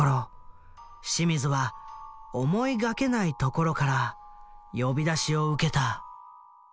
清水は思いがけない所から呼び出しを受けた。